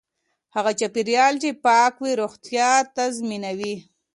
هغه چاپیریال چې پاک وي روغتیا تضمینوي.